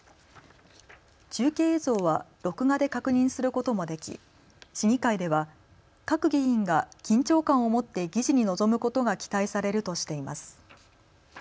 中継映像は録画で確認することもでき市議会では各議員が緊張感を持って議事に臨むことが期待されるとしています。